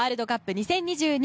２０２２